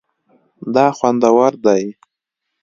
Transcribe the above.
دا خوندور دی